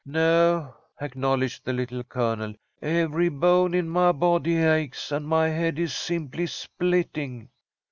"No," acknowledged the Little Colonel, "every bone in my body aches, and my head is simply splitting."